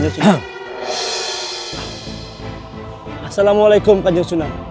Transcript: assalamualaikum kanjeng sunam